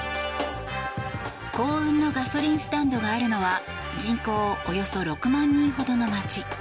幸運のガソリンスタンドがあるのは人口およそ６万人ほどの町。